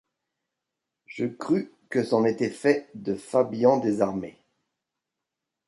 Je crus que c’en était fait de Fabian désarmé.